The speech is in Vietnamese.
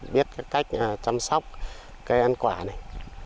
biết cách chăm sóc cây ăn quả này